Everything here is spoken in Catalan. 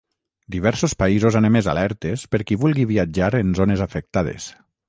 Diversos països han emès alertes per qui vulgui viatjar en zones afectades.